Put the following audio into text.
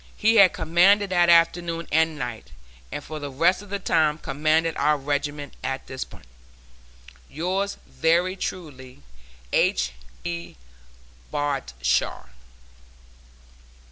He had command that afternoon and night, and for the rest of the time commanded our regiment at this point. Yours very truly, H. P. BARDSHAR.